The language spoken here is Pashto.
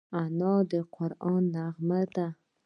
انا د قرآن نغمه ده